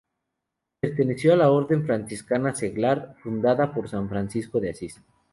Perteneció a la Orden franciscana seglar, fundada por San Francisco de Asís.